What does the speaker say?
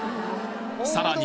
さらに